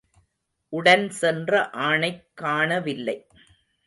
உடன் சென்ற ஆணைக் காணவில்லை.